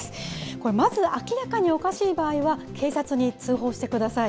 これ、まず明らかにおかしい場合は警察に通報してください。